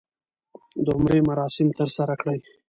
د عمرې مراسم ترسره کړي.